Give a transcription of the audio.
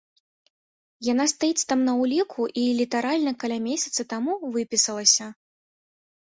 Яна стаіць там на ўліку і літаральна каля месяца таму выпісалася.